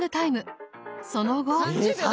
その後。